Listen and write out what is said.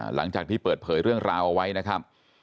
หลังจากที่เปิดเผยเรื่องราวเอาไว้นะครับ